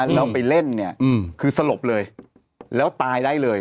แล้วไปเล่นเนี่ยคือสลบเลยแล้วตายได้เลย